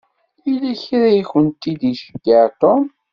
Yella kra i akent-id-iceyyeɛ Tom.